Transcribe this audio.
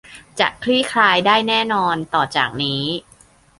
จะคลี่คลายได้แน่นอนต่อจากนี้